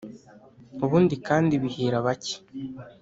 Ubundi kandi bihira bake